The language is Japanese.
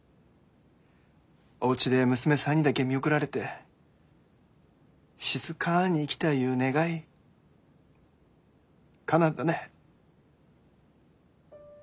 おうちで娘さんにだけ見送られて静かに逝きたいいう願いかなったね。